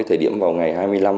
thời điểm vào ngày hai mươi năm